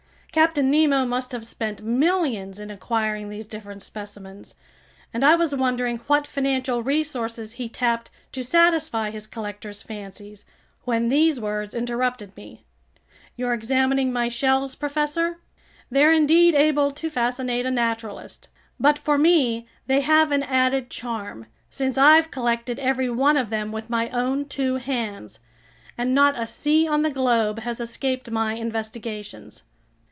Captain Nemo must have spent millions in acquiring these different specimens, and I was wondering what financial resources he tapped to satisfy his collector's fancies, when these words interrupted me: "You're examining my shells, professor? They're indeed able to fascinate a naturalist; but for me they have an added charm, since I've collected every one of them with my own two hands, and not a sea on the globe has escaped my investigations."